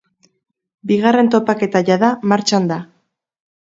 Bigarren topaketa jada, martxan da.